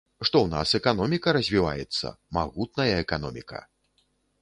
Што ў нас эканоміка развіваецца, магутная эканоміка!